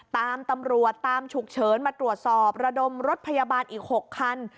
ตำรวจตามฉุกเฉินมาตรวจสอบระดมรถพยาบาลอีก๖คัน